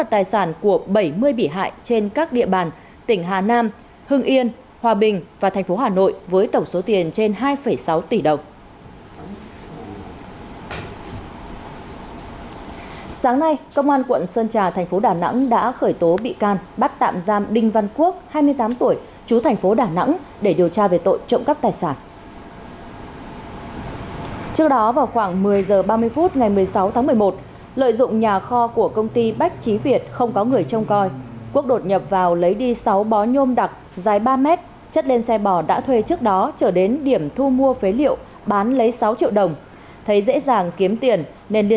tại phường an xuân tp tam kỳ tỉnh quảng nam đã khởi tố bị can và bắt tạm giam đối tượng bạch thanh cường sinh năm hai nghìn bốn trú tại phường an xuân tỉnh quảng nam